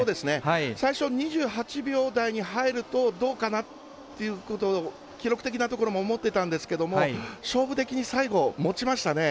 最初、２８秒台に入るとどうかなっていうことを記録的なところも思ってたんですけども勝負的に最後、持ちましたね。